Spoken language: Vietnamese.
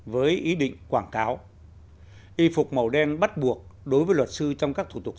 với ý định quảng trọng